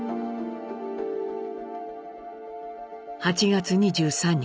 「８月２３日